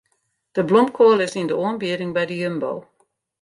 De blomkoal is yn de oanbieding by de Jumbo.